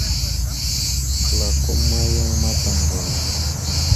Klakom ma yan matam gwala.